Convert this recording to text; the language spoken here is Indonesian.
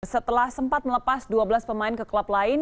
setelah sempat melepas dua belas pemain ke klub lain